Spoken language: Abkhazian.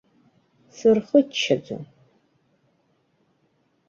Сырхыччаӡом!